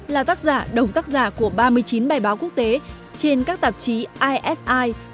là tác giả đồng tác giả của ba mươi chín bài báo quốc tế trên các tạp chí isi